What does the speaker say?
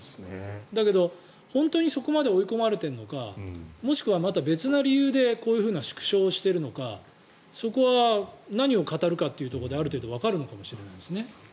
だけど、本当にそこまで追い込まれているのかもしくはまた別の理由でこういうふうな縮小をしているのかそこは何を語るかというところである程度わかるのかもしれないですね。